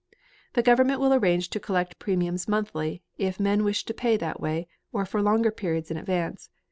The government will arrange to collect premiums monthly, if men wish to pay that way, or for longer periods in advance.